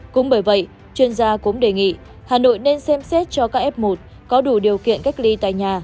cũng bởi vậy chuyên gia cũng đề nghị hà nội nên xem xét cho các f một có đủ điều kiện cách ly tại nhà